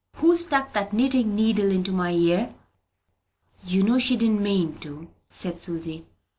"Who stuck that knitting needle into my ear?" "You know she didn't mean to," said Susy.